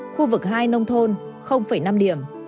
khu vực hai nông thôn năm điểm